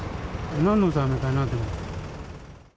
なんのためかなと思う。